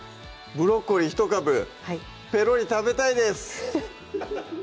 ブロッコリーひと株ペロリ食べたいです！